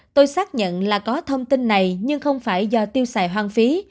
tôi xác nhận là có thông tin này nhưng không phải do tiêu xài hoang phí